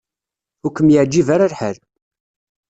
Ur kem-yeɛjib ara lḥal.